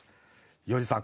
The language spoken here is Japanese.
要次さん